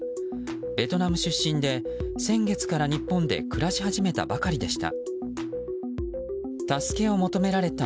ベトナム出身で先月から日本で暮らし始めたばかりでした。